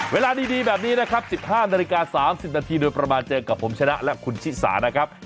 เวลาดีแบบนี้นะครับ๑๕นาฬิกา๓๐นาทีโดยประมาณเจอกับผมชนะและคุณชิสานะครับ